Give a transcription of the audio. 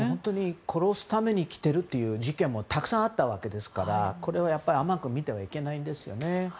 殺すために来てるという事件もたくさんあったわけですからこれは甘く見てはいけないんですよね。